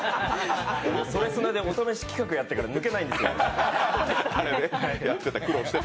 「それスノ」でお試し企画やってから抜けてないんですよ。